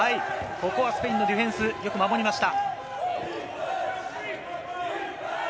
ここはスペインのディフェンス、よく守りました。